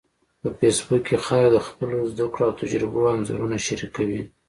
په فېسبوک کې خلک د خپلو زده کړو او تجربو انځورونه شریکوي